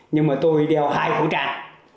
nhưng mà tôi đèo hai khẩu trang